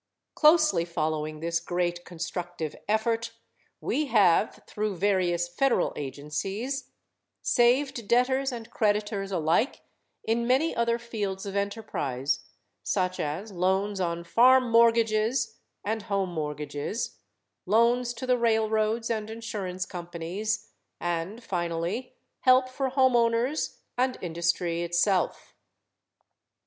Closely following this great constructive effort we have, through various federal agencies, saved debtors and creditors alike in many other fields of enterprise, such as loans on farm mortgages and home mortgages; loans to the railroads and insurance companies and, finally, help for home owners and industry itself.